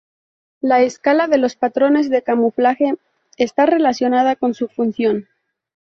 La escala de los patrones de camuflaje está relacionada con su función.